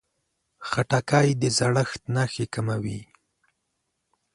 خټکی د زړښت نښې کموي.